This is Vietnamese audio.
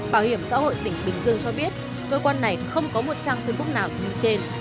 bảo hiểm xã hội tỉnh bình dương cho biết cơ quan này không có một trang facebook nào như trên